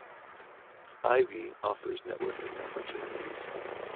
Ivey offers networking opportunities.